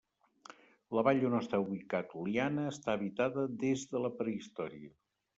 La vall on està ubicat Oliana està habitada des de la prehistòria.